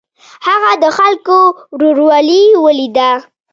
هغه د خلکو ورورولي ولیده.